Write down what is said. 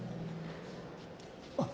あっ